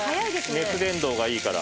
熱伝導がいいから。